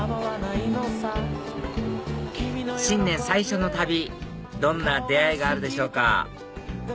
最初の旅どんな出会いがあるでしょうか